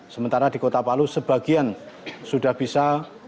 sementara di kota palu sebagian sudah bisa